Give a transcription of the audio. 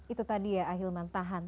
itu tadi ya ahilman tahan